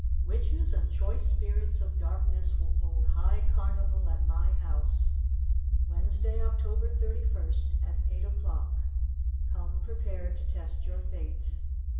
Witches and Choice Spirits of Darkness will hold High Carnival at my house, ..............Wednesday, October 31st, at eight o'clock. Come prepared to test your fate.